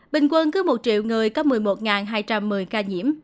bình quân cứ một triệu người có một mươi một hai trăm một mươi ca nhiễm